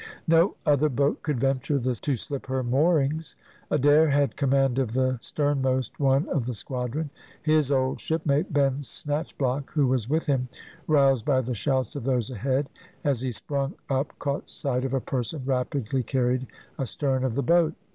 No other boat could venture to slip her moorings. Adair had command of the sternmost one of the squadron. His old shipmate, Ben Snatchblock, who was with him, roused by the shouts of those ahead, as he sprung up caught sight of a person rapidly carried astern of the boat.